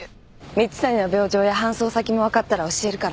蜜谷の病状や搬送先も分かったら教えるから。